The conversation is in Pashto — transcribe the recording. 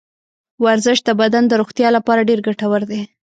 ورزش د بدن د روغتیا لپاره ډېر ګټور دی.